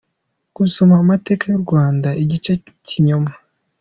Gusoma amateka y’u Rwanda igice ni ikinyoma.